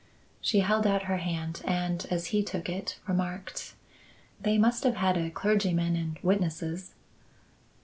She held out her hand and, as he took it, remarked: "They must have had a clergyman and witnesses."